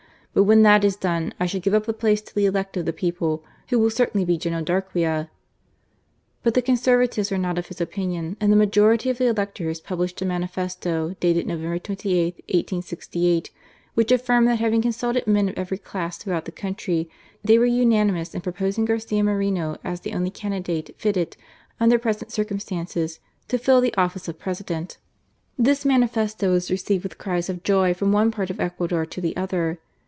But when that is done, I shall give up the place to the elect of the people, who will certainly be General Darquea." But the Conservatives were GARCIA MORENO. ^ not of his opinion ; and the majority of the electors published a manifesto, dated November 28, 1868, which affirmed that, having consulted men of every class throughout the country, they were ataanimons in proposing Garcia Moreno as the only candidate fitted, under present circumstances, to fill the oflBce of President. This manifesto was received with cries of joy from one part of Ecuador to the other.